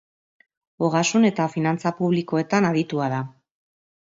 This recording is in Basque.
Ogasun eta finantza publikoetan aditua da.